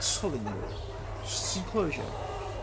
COLLINGWOOD." (Enclosure.)